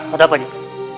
ada apa nyuruh